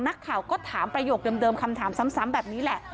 นักข่าวก็ถามประโยคเดิมคำถามซ้ำแบบนี้แหละ